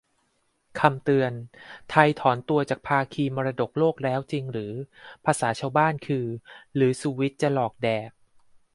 คำเตือน : ไทยถอนตัวจากภาคีมรดกโลกแล้วจริงหรือ ? ภาษาชาวบ้านคือ "หรือสุวิทย์จะหลอกแดก ?"